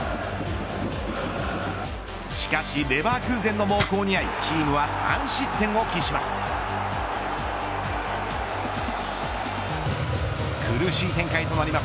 しかしレヴァークーゼンの猛攻にあいチームは３失点を喫します。